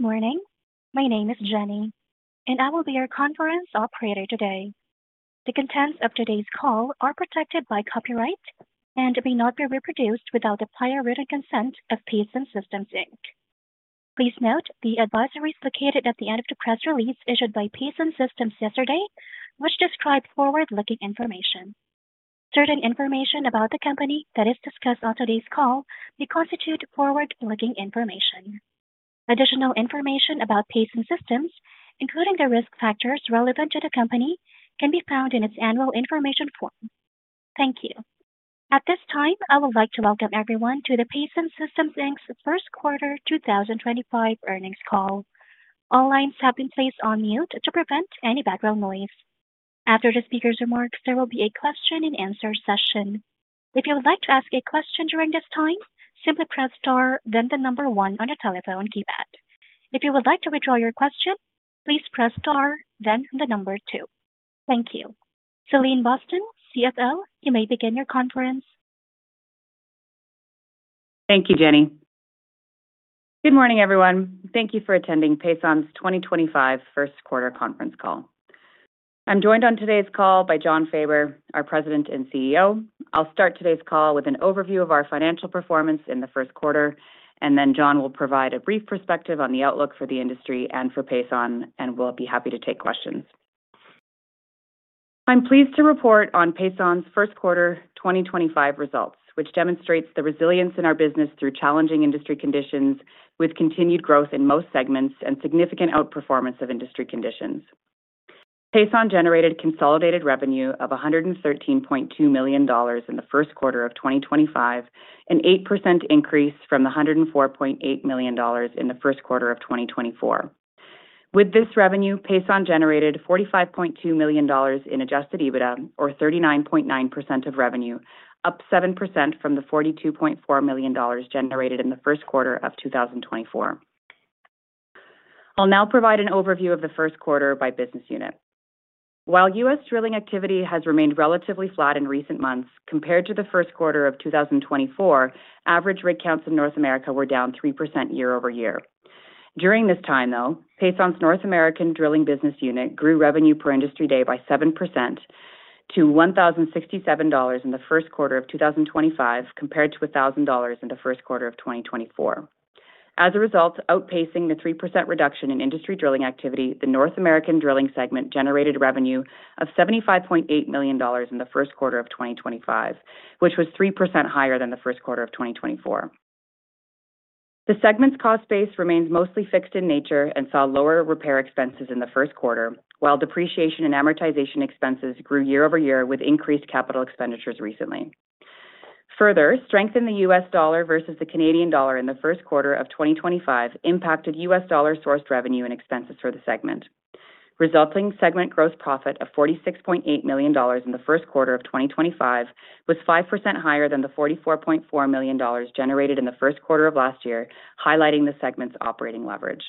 Morning. My name is Jenny, and I will be your conference operator today. The contents of today's call are protected by copyright and may not be reproduced without the prior written consent of Pason Systems Inc. Please note the advisories located at the end of the press release issued by Pason Systems yesterday, which described forward-looking information. Certain information about the company that is discussed on today's call may constitute forward-looking information. Additional information about Pason Systems, including the risk factors relevant to the company, can be found in its annual information form. Thank you. At this time, I would like to welcome everyone to the Pason Systems Inc's First Quarter 2025 earnings call. All lines have been placed on mute to prevent any background noise. After the speaker's remarks, there will be a question-and-answer session. If you would like to ask a question during this time, simply press star, then the number one on your telephone keypad. If you would like to withdraw your question, please press star, then the number two. Thank you. Celine Boston, CFO, you may begin your conference. Thank you, Jenny. Good morning, everyone. Thank you for attending Pason's 2025 First Quarter conference call. I'm joined on today's call by Jon Faber, our President and CEO. I'll start today's call with an overview of our financial performance in the first quarter, and then Jon will provide a brief perspective on the outlook for the industry and for Pason, and we'll be happy to take questions. I'm pleased to report on Pason's First Quarter 2025 results, which demonstrates the resilience in our business through challenging industry conditions, with continued growth in most segments and significant outperformance of industry conditions. Pason generated consolidated revenue of $113.2 million in the first quarter of 2025, an 8% increase from the $104.8 million in the first quarter of 2024. With this revenue, Pason generated $45.2 million in adjusted EBITDA, or 39.9% of revenue, up 7% from the $42.4 million generated in the first quarter of 2024. I'll now provide an overview of the first quarter by business unit. While U.S. drilling activity has remained relatively flat in recent months, compared to the first quarter of 2024, average rig counts in North America were down 3% year-over-year. During this time, though, Pason's North American drilling business unit grew revenue per industry day by 7% to $1,067 in the first quarter of 2025, compared to $1,000 in the first quarter of 2024. As a result, outpacing the 3% reduction in industry drilling activity, the North American drilling segment generated revenue of $75.8 million in the first quarter of 2025, which was 3% higher than the first quarter of 2024. The segment's cost base remains mostly fixed in nature and saw lower repair expenses in the first quarter, while depreciation and amortization expenses grew year-over-year with increased capital expenditures recently. Further, strength in the U.S. dollar versus the Canadian dollar in the first quarter of 2025 impacted U.S. dollar-sourced revenue and expenses for the segment. Resulting segment gross profit of $46.8 million in the first quarter of 2025 was 5% higher than the $44.4 million generated in the first quarter of last year, highlighting the segment's operating leverage.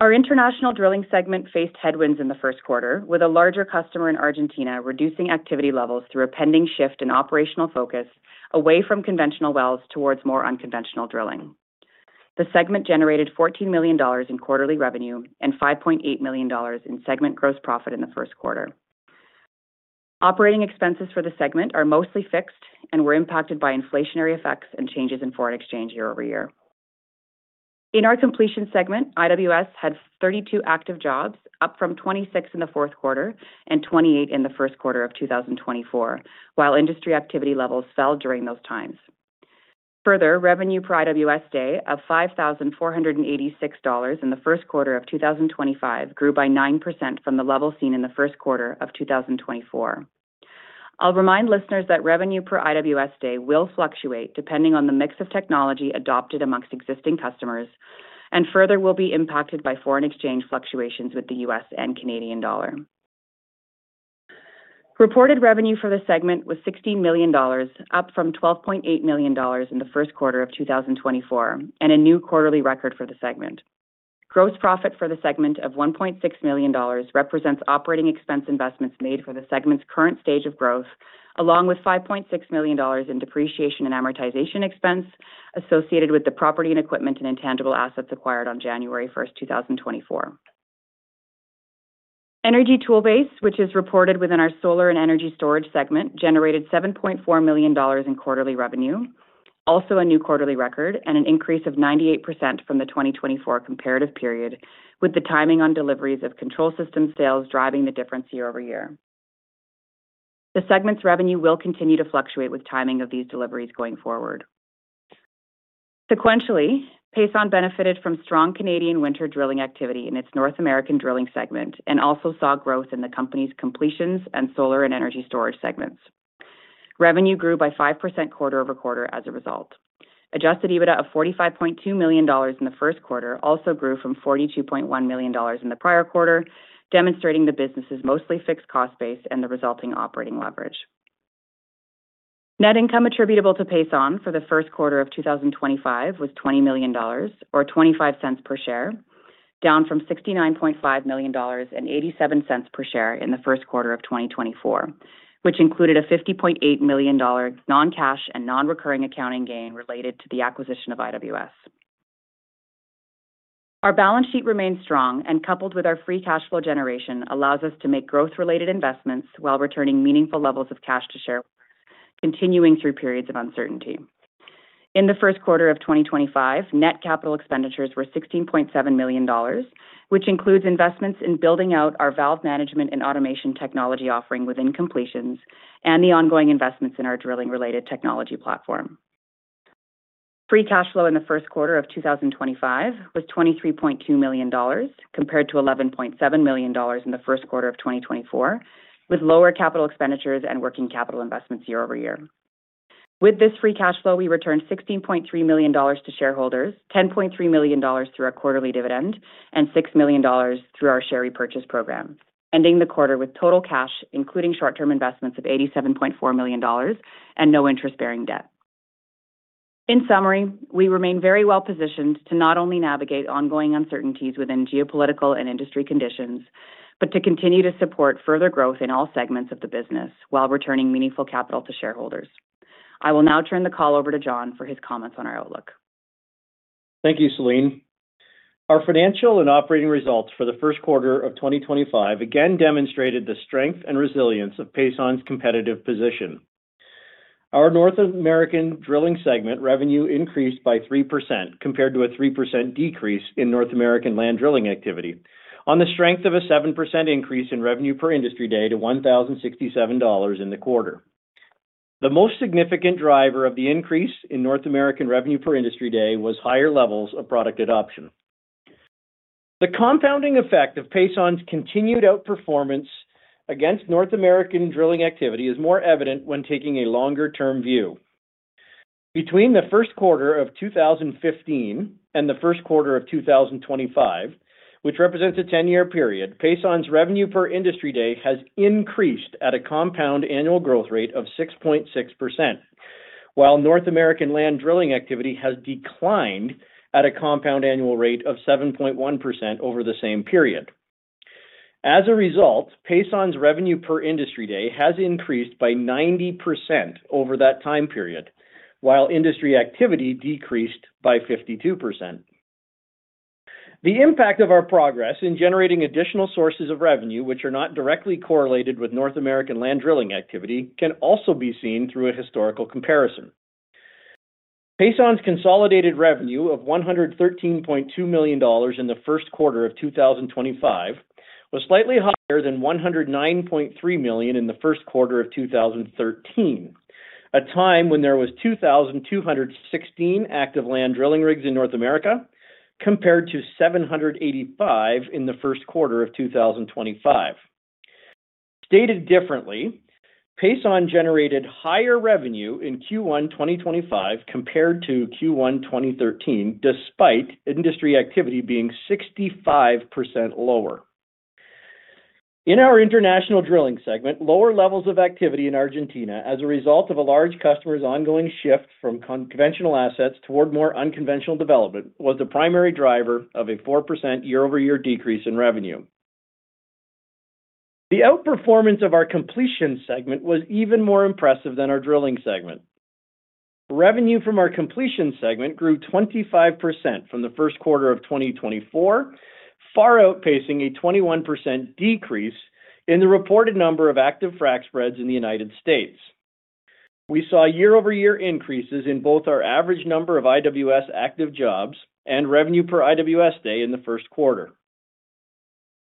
Our international drilling segment faced headwinds in the first quarter, with a larger customer in Argentina reducing activity levels through a pending shift in operational focus away from conventional wells towards more unconventional drilling. The segment generated $14 million in quarterly revenue and $5.8 million in segment gross profit in the first quarter. Operating expenses for the segment are mostly fixed and were impacted by inflationary effects and changes in foreign exchange year-over-year. In our completion segment, IWS had 32 active jobs, up from 26 in the fourth quarter and 28 in the first quarter of 2024, while industry activity levels fell during those times. Further, revenue per IWS day of $5,486 in the first quarter of 2025 grew by 9% from the level seen in the first quarter of 2024. I'll remind listeners that revenue per IWS day will fluctuate depending on the mix of technology adopted amongst existing customers and further will be impacted by foreign exchange fluctuations with the U.S. and Canadian dollar. Reported revenue for the segment was $16 million, up from $12.8 million in the first quarter of 2024, and a new quarterly record for the segment. Gross profit for the segment of $1.6 million represents operating expense investments made for the segment's current stage of growth, along with $5.6 million in depreciation and amortization expense associated with the property and equipment and intangible assets acquired on January 1, 2024. Energy Toolbase, which is reported within our solar and energy storage segment, generated $7.4 million in quarterly revenue, also a new quarterly record and an increase of 98% from the 2024 comparative period, with the timing on deliveries of control systems sales driving the difference year-over-year. The segment's revenue will continue to fluctuate with timing of these deliveries going forward. Sequentially, Pason benefited from strong Canadian winter drilling activity in its North American drilling segment and also saw growth in the company's completions and solar and energy storage segments. Revenue grew by 5% quarter-over-quarter as a result. Adjusted EBITDA of $45.2 million in the first quarter also grew from $42.1 million in the prior quarter, demonstrating the business's mostly fixed cost base and the resulting operating leverage. Net income attributable to Pason for the first quarter of 2025 was $20 million, or $0.25 per share, down from $69.5 million and $0.87 per share in the first quarter of 2024, which included a $50.8 million non-cash and non-recurring accounting gain related to the acquisition of IWS. Our balance sheet remains strong, and coupled with our free cash flow generation allows us to make growth-related investments while returning meaningful levels of cash to shareholders, continuing through periods of uncertainty. In the first quarter of 2025, net capital expenditures were $16.7 million, which includes investments in building out our valve management and automation technology offering within completions and the ongoing investments in our drilling-related technology platform. Free cash flow in the first quarter of 2025 was $23.2 million, compared to $11.7 million in the first quarter of 2024, with lower capital expenditures and working capital investments year-over-year. With this free cash flow, we returned $16.3 million to shareholders, $10.3 million through our quarterly dividend, and $6 million through our share repurchase program, ending the quarter with total cash, including short-term investments of $87.4 million and no interest-bearing debt. In summary, we remain very well positioned to not only navigate ongoing uncertainties within geopolitical and industry conditions, but to continue to support further growth in all segments of the business while returning meaningful capital to shareholders. I will now turn the call over to Jon for his comments on our outlook. Thank you, Celine. Our financial and operating results for the first quarter of 2025 again demonstrated the strength and resilience of Pason's competitive position. Our North American drilling segment revenue increased by 3% compared to a 3% decrease in North American land drilling activity, on the strength of a 7% increase in revenue per industry day to $1,067 in the quarter. The most significant driver of the increase in North American revenue per industry day was higher levels of product adoption. The compounding effect of Pason's continued outperformance against North American drilling activity is more evident when taking a longer-term view. Between the first quarter of 2015 and the first quarter of 2025, which represents a 10-year period, Pason's revenue per industry day has increased at a compound annual growth rate of 6.6%, while North American land drilling activity has declined at a compound annual rate of 7.1% over the same period. As a result, Pason's revenue per industry day has increased by 90% over that time period, while industry activity decreased by 52%. The impact of our progress in generating additional sources of revenue, which are not directly correlated with North American land drilling activity, can also be seen through a historical comparison. Pason's consolidated revenue of $113.2 million in the first quarter of 2025 was slightly higher than $109.3 million in the first quarter of 2013, a time when there were 2,216 active land drilling rigs in North America, compared to 785 in the first quarter of 2025. Stated differently, Pason generated higher revenue in Q1 2025 compared to Q1 2013, despite industry activity being 65% lower. In our international drilling segment, lower levels of activity in Argentina as a result of a large customer's ongoing shift from conventional assets toward more unconventional development was the primary driver of a 4% year-over-year decrease in revenue. The outperformance of our completion segment was even more impressive than our drilling segment. Revenue from our completion segment grew 25% from the first quarter of 2024, far outpacing a 21% decrease in the reported number of active frac spreads in the United States. We saw year-over-year increases in both our average number of IWS active jobs and revenue per IWS day in the first quarter.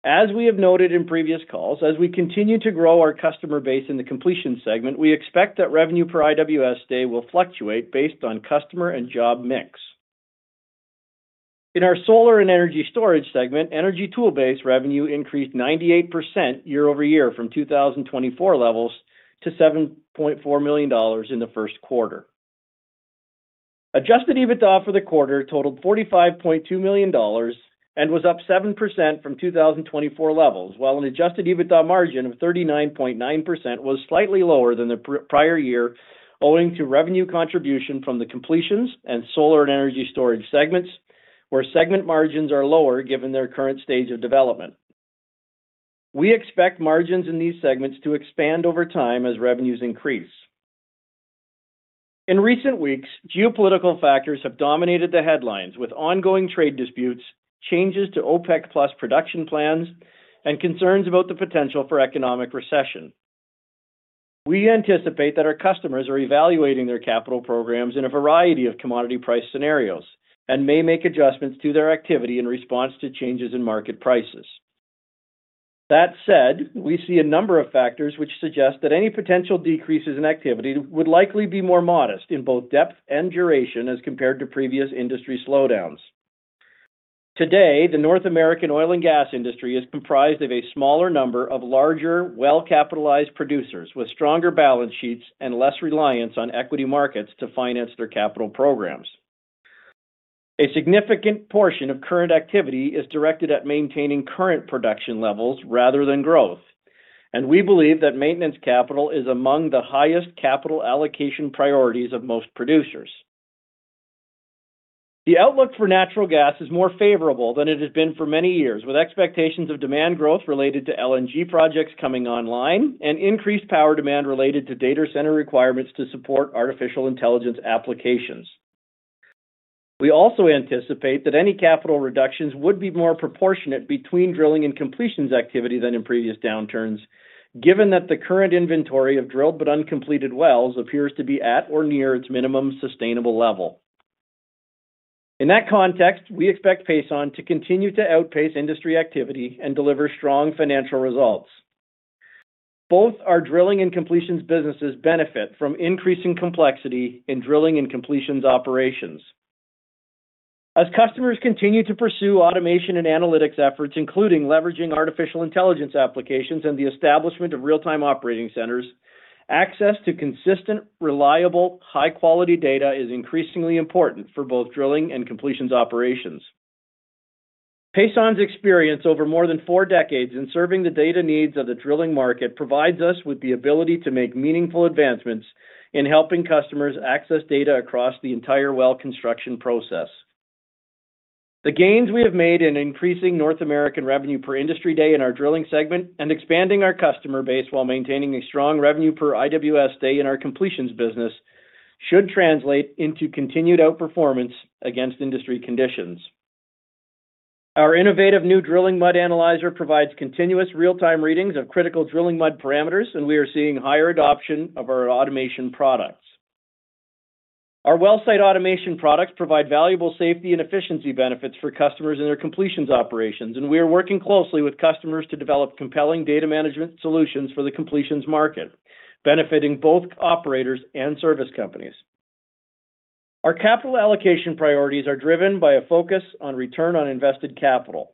As we have noted in previous calls, as we continue to grow our customer base in the completions segment, we expect that revenue per IWS day will fluctuate based on customer and job mix. In our solar and energy storage segment, Energy Toolbase revenue increased 98% year-over-year from 2024 levels to $7.4 million in the first quarter. Adjusted EBITDA for the quarter totaled $45.2 million and was up 7% from 2024 levels, while an adjusted EBITDA margin of 39.9% was slightly lower than the prior year, owing to revenue contribution from the completions and solar and energy storage segments, where segment margins are lower given their current stage of development. We expect margins in these segments to expand over time as revenues increase. In recent weeks, geopolitical factors have dominated the headlines with ongoing trade disputes, changes to OPEC+ production plans, and concerns about the potential for economic recession. We anticipate that our customers are evaluating their capital programs in a variety of commodity price scenarios and may make adjustments to their activity in response to changes in market prices. That said, we see a number of factors which suggest that any potential decreases in activity would likely be more modest in both depth and duration as compared to previous industry slowdowns. Today, the North American oil and gas industry is comprised of a smaller number of larger, well-capitalized producers with stronger balance sheets and less reliance on equity markets to finance their capital programs. A significant portion of current activity is directed at maintaining current production levels rather than growth, and we believe that maintenance capital is among the highest capital allocation priorities of most producers. The outlook for natural gas is more favorable than it has been for many years, with expectations of demand growth related to LNG projects coming online and increased power demand related to data center requirements to support artificial intelligence applications. We also anticipate that any capital reductions would be more proportionate between drilling and completions activity than in previous downturns, given that the current inventory of drilled but uncompleted wells appears to be at or near its minimum sustainable level. In that context, we expect Pason to continue to outpace industry activity and deliver strong financial results. Both our drilling and completions businesses benefit from increasing complexity in drilling and completions operations. As customers continue to pursue automation and analytics efforts, including leveraging artificial intelligence applications and the establishment of real-time operating centers, access to consistent, reliable, high-quality data is increasingly important for both drilling and completions operations. Pason's experience over more than four decades in serving the data needs of the drilling market provides us with the ability to make meaningful advancements in helping customers access data across the entire well construction process. The gains we have made in increasing North American revenue per industry day in our drilling segment and expanding our customer base while maintaining a strong revenue per IWS day in our completions business should translate into continued outperformance against industry conditions. Our innovative new drilling mud analyzer provides continuous real-time readings of critical drilling mud parameters, and we are seeing higher adoption of our automation products. Our well-site automation products provide valuable safety and efficiency benefits for customers in their completions operations, and we are working closely with customers to develop compelling data management solutions for the completions market, benefiting both operators and service companies. Our capital allocation priorities are driven by a focus on return on invested capital.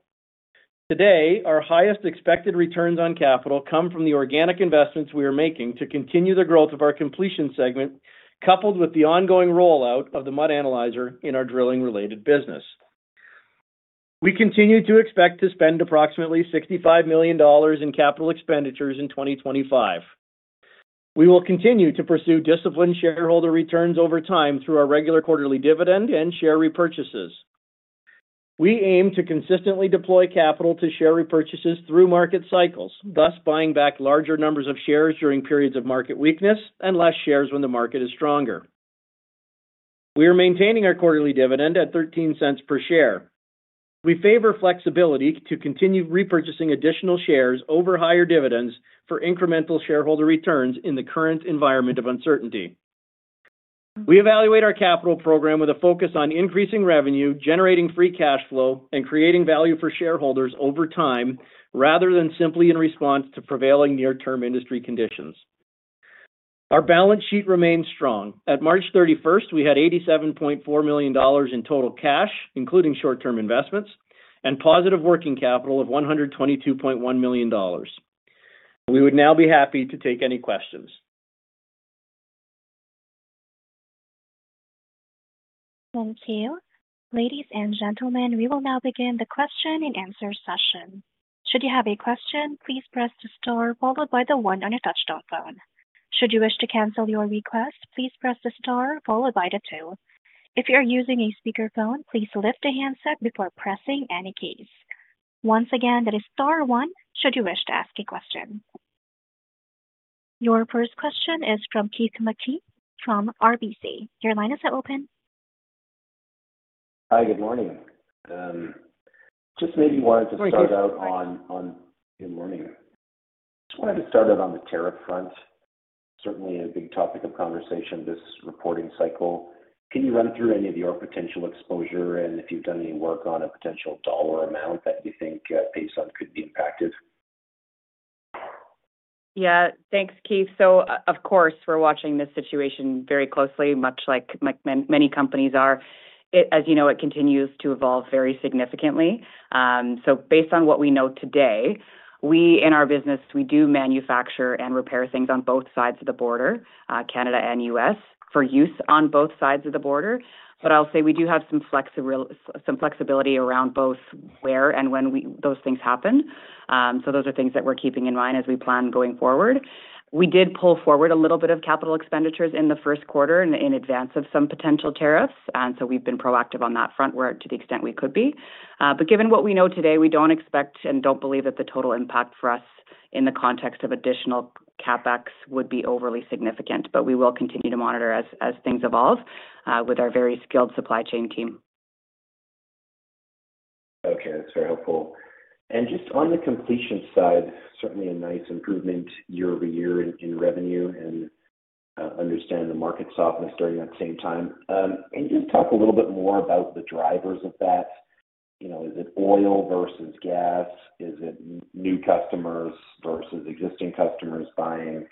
Today, our highest expected returns on capital come from the organic investments we are making to continue the growth of our completion segment, coupled with the ongoing rollout of the mud analyzer in our drilling-related business. We continue to expect to spend approximately $65 million in capital expenditures in 2025. We will continue to pursue disciplined shareholder returns over time through our regular quarterly dividend and share repurchases. We aim to consistently deploy capital to share repurchases through market cycles, thus buying back larger numbers of shares during periods of market weakness and less shares when the market is stronger. We are maintaining our quarterly dividend at $0.13 per share. We favor flexibility to continue repurchasing additional shares over higher dividends for incremental shareholder returns in the current environment of uncertainty. We evaluate our capital program with a focus on increasing revenue, generating free cash flow, and creating value for shareholders over time rather than simply in response to prevailing near-term industry conditions. Our balance sheet remains strong. At March 31st, we had $87.4 million in total cash, including short-term investments, and positive working capital of $122.1 million. We would now be happy to take any questions. Thank you. Ladies and gentlemen, we will now begin the question and answer session. Should you have a question, please press the star, followed by the one on your touch-tone phone. Should you wish to cancel your request, please press the star, followed by the two. If you are using a speakerphone, please lift a handset before pressing any keys. Once again, that is star one should you wish to ask a question. Your first question is from Keith Mackey from RBC. Your line is now open. Hi, good morning. Just wanted to start out on the tariff front. Certainly a big topic of conversation this reporting cycle. Can you run through any of your potential exposure and if you've done any work on a potential dollar amount that you think Pason could be impacted? Yeah, thanks, Keith. Of course, we're watching this situation very closely, much like many companies are. As you know, it continues to evolve very significantly. Based on what we know today, we in our business, we do manufacture and repair things on both sides of the border, Canada and U.S., for use on both sides of the border. I'll say we do have some flexibility around both where and when those things happen. Those are things that we're keeping in mind as we plan going forward. We did pull forward a little bit of capital expenditures in the first quarter in advance of some potential tariffs. We've been proactive on that front to the extent we could be. Given what we know today, we do not expect and do not believe that the total impact for us in the context of additional CapEx would be overly significant. We will continue to monitor as things evolve with our very skilled supply chain team. Okay, that's very helpful. Just on the completion side, certainly a nice improvement year-over-year in revenue and understand the market softness during that same time. Can you just talk a little bit more about the drivers of that? Is it oil versus gas? Is it new customers versus existing customers buying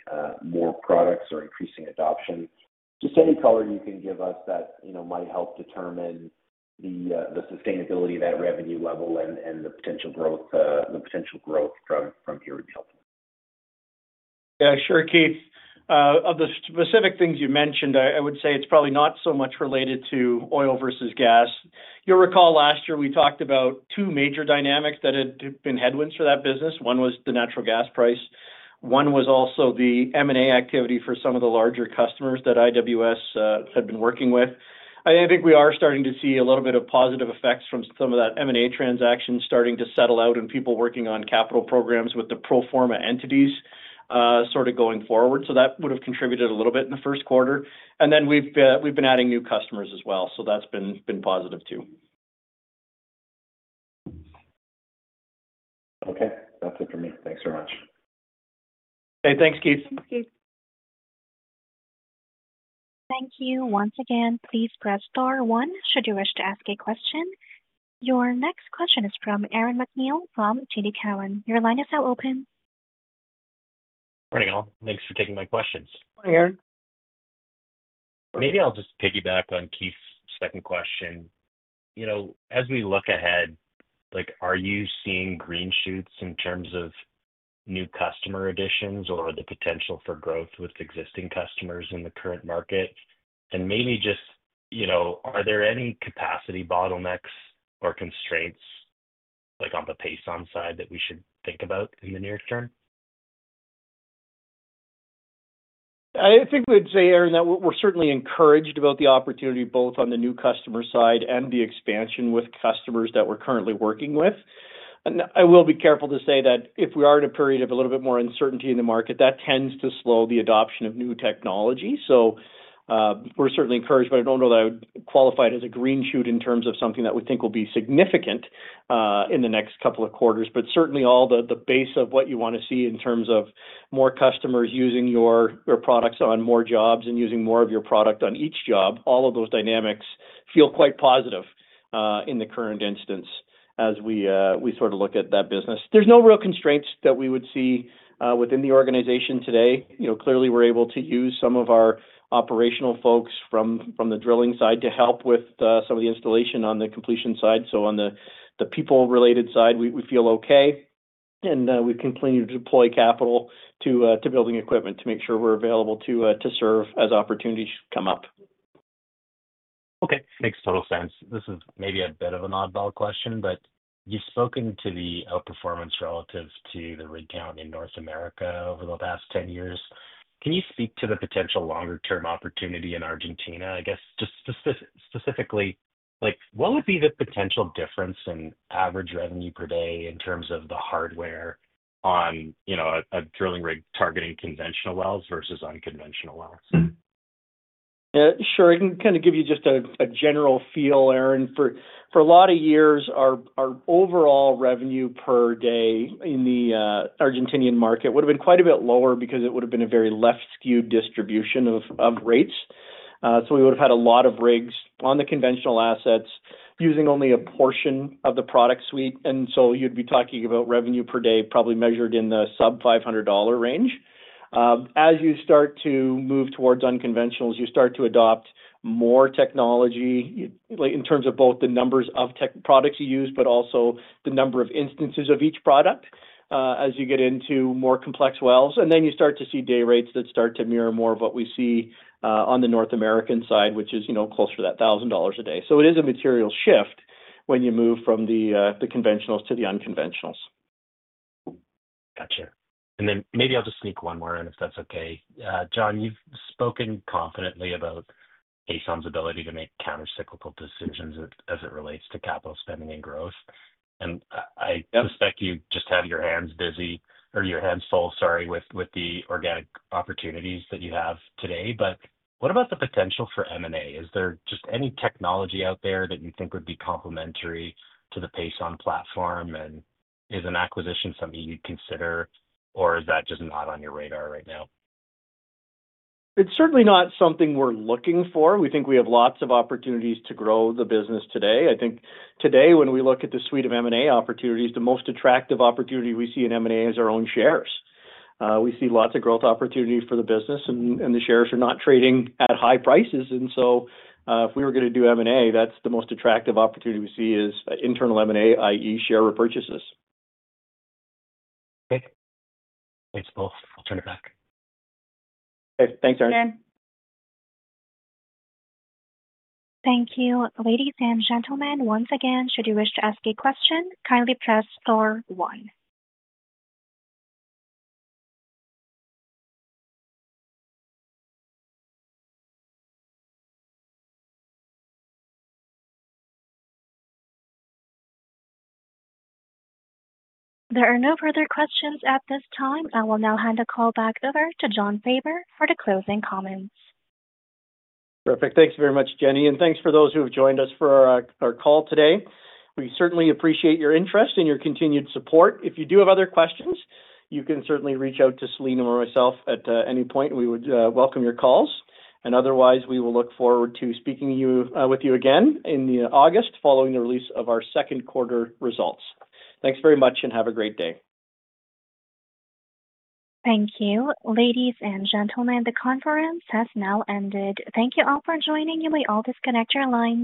more products or increasing adoption? Just any color you can give us that might help determine the sustainability of that revenue level and the potential growth from here would be helpful. Yeah, sure, Keith. Of the specific things you mentioned, I would say it's probably not so much related to oil versus gas. You'll recall last year we talked about two major dynamics that had been headwinds for that business. One was the natural gas price. One was also the M&A activity for some of the larger customers that IWS had been working with. I think we are starting to see a little bit of positive effects from some of that M&A transaction starting to settle out and people working on capital programs with the pro forma entities sort of going forward. That would have contributed a little bit in the first quarter. We have been adding new customers as well. That's been positive too. Okay, that's it for me. Thanks very much. Okay, thanks, Keith. Thank you. Once again, please press star one should you wish to ask a question. Your next question is from Aaron MacNeil from TD Cowen. Your line is now open. Morning, all. Thanks for taking my questions. Morning, Aaron. Maybe I'll just piggyback on Keith's second question. As we look ahead, are you seeing green shoots in terms of new customer additions or the potential for growth with existing customers in the current market? Are there any capacity bottlenecks or constraints on the Pason side that we should think about in the near term? I think we'd say, Aaron, that we're certainly encouraged about the opportunity both on the new customer side and the expansion with customers that we're currently working with. I will be careful to say that if we are in a period of a little bit more uncertainty in the market, that tends to slow the adoption of new technology. We're certainly encouraged, but I don't know that I would qualify it as a green shoot in terms of something that we think will be significant in the next couple of quarters. Certainly, all the base of what you want to see in terms of more customers using your products on more jobs and using more of your product on each job, all of those dynamics feel quite positive in the current instance as we sort of look at that business. There's no real constraints that we would see within the organization today. Clearly, we are able to use some of our operational folks from the drilling side to help with some of the installation on the completion side. On the people-related side, we feel okay. We continue to deploy capital to building equipment to make sure we are available to serve as opportunities come up. Okay, makes total sense. This is maybe a bit of an oddball question, but you've spoken to the outperformance relative to the recount in North America over the last 10 years. Can you speak to the potential longer-term opportunity in Argentina? I guess just specifically, what would be the potential difference in average revenue per day in terms of the hardware on a drilling rig targeting conventional wells versus unconventional wells? Sure. I can kind of give you just a general feel, Aaron. For a lot of years, our overall revenue per day in the Argentinian market would have been quite a bit lower because it would have been a very left-skewed distribution of rates. We would have had a lot of rigs on the conventional assets using only a portion of the product suite. You'd be talking about revenue per day probably measured in the sub-$500 range. As you start to move towards unconventionals, you start to adopt more technology in terms of both the numbers of products you use, but also the number of instances of each product as you get into more complex wells. You start to see day rates that start to mirror more of what we see on the North American side, which is closer to that $1,000 a day. It is a material shift when you move from the conventionals to the unconventionals. Gotcha. Maybe I'll just sneak one more in if that's okay. Jon, you've spoken confidently about Pason's ability to make countercyclical decisions as it relates to capital spending and growth. I suspect you just have your hands busy, or your hands full, sorry, with the organic opportunities that you have today. What about the potential for M&A? Is there just any technology out there that you think would be complementary to the Pason platform? Is an acquisition something you'd consider, or is that just not on your radar right now? It's certainly not something we're looking for. We think we have lots of opportunities to grow the business today. I think today, when we look at the suite of M&A opportunities, the most attractive opportunity we see in M&A is our own shares. We see lots of growth opportunity for the business, and the shares are not trading at high prices. If we were going to do M&A, that's the most attractive opportunity we see is internal M&A, i.e., share repurchases. Okay. Thanks, both. I'll turn it back. Okay. Thanks, Aaron. Thanks, Aaron. Thank you. Ladies and gentlemen, once again, should you wish to ask a question, kindly press star one. There are no further questions at this time. I will now hand the call back over to Jon Faber for the closing comments. Perfect. Thanks very much, Jenny. Thanks for those who have joined us for our call today. We certainly appreciate your interest and your continued support. If you do have other questions, you can certainly reach out to Celine or myself at any point. We would welcome your calls. Otherwise, we will look forward to speaking with you again in August following the release of our second quarter results. Thanks very much, and have a great day. Thank you. Ladies and gentlemen, the conference has now ended. Thank you all for joining. You may all disconnect your lines.